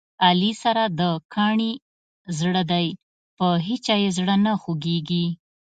علي سره د کاڼي زړه دی، په هیچا یې زړه نه خوګېږي.